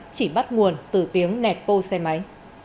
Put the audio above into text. chỉ bắt nguồn từ tiếng nẹt pô xe máy